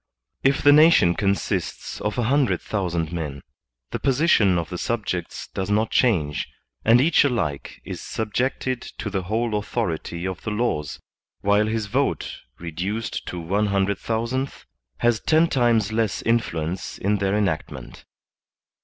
If the nation consists of a hundred thousand men, the position of the subjects does not change, and each alike is subjected to the whole authority of the laws, while his vote reduced to one hundred thousandth, has ten times less influence in their enactment.